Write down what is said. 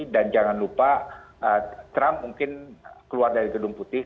dan jangan lupa trump mungkin keluar dari gedung putih